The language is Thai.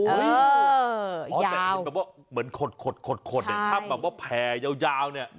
โอ้ยแบบว่าเผลอแผลยาวเนี่ย